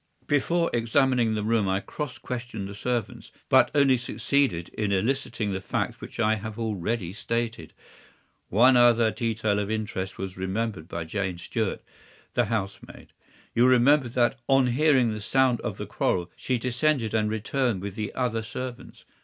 "Before examining the room I cross questioned the servants, but only succeeded in eliciting the facts which I have already stated. One other detail of interest was remembered by Jane Stewart, the housemaid. You will remember that on hearing the sound of the quarrel she descended and returned with the other servants.